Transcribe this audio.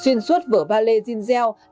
xuyên suốt vở ballet giselle